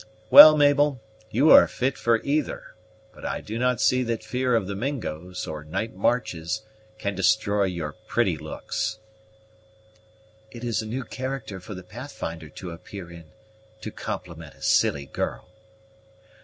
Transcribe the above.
Well, Mabel, you are fit for either; for I do not see that fear of the Mingos, or night marches, can destroy your pretty looks." "It is a new character for the Pathfinder to appear in, to compliment a silly girl."